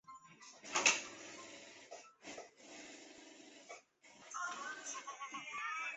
钝叶拉拉藤为茜草科拉拉藤属下的一个变种。